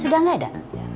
sudah gak ada